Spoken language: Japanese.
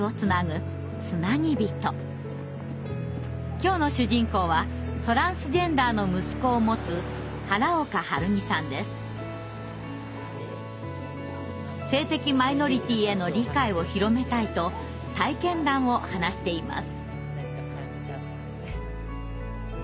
今日の主人公はトランスジェンダーの息子を持つ性的マイノリティーへの理解を広めたいと体験談を話しています。